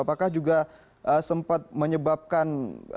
apakah juga sempat menyebabkan